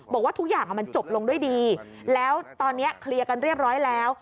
บอกว่าทุกอย่างมันจบลงด้วยดีแล้วตอนนี้เคลียร์กันเรียบร้อยแล้ว